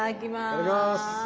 いただきます。